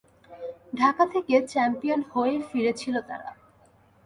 ঢাকা থেকে চ্যাম্পিয়ন হয়েই ফিরেছিল তাঁরা।